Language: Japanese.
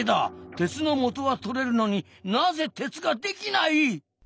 鉄のもとは取れるのになぜ鉄が出来ない。